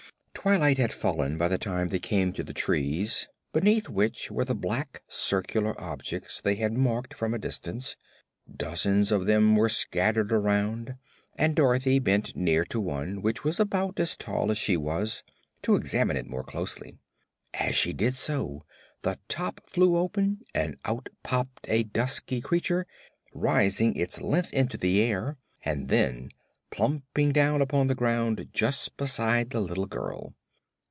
Twilight had fallen by the time they came to the trees, beneath which were the black, circular objects they had marked from a distance. Dozens of them were scattered around and Dorothy bent near to one, which was about as tall as she was, to examine it more closely. As she did so the top flew open and out popped a dusky creature, rising its length into the air and then plumping down upon the ground just beside the little girl.